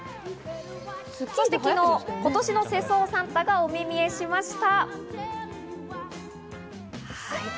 そして昨日、今年の世相サンタがお目見えしました。